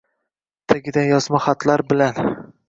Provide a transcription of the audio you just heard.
Tagidan yozma xatlar bilan